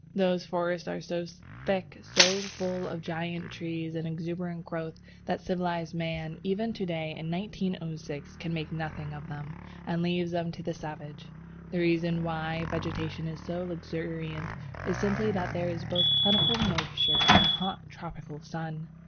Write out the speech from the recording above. Those forests are so thick, so full of giant trees and exuberant growth, that civilized man even to day in 1906 can make nothing of them, and leaves them to the savage. The reason why vegetation is so luxuriant is simply that there are both plentiful moisture and a hot, tropical sun.